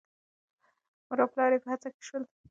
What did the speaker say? مور او پلار یې په هڅه کې شول.